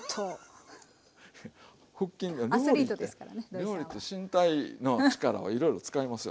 料理って身体の力をいろいろ使いますよ。